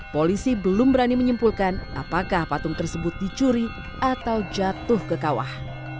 polisi belum berani menyimpulkan apakah patung tersebut dicuri atau jatuh ke kawah